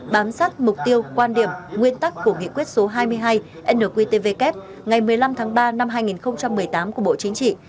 bám sát mục tiêu quan điểm nguyên tắc của nghị quyết số hai mươi hai nqtvk ngày một mươi năm tháng ba năm hai nghìn một mươi tám của bộ chính trị